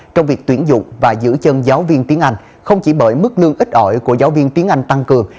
trong việc tuyển dụng và giữ chân giáo viên tiếng anh không chỉ bởi mức lương ít ỏi của giáo viên tiếng anh tăng cường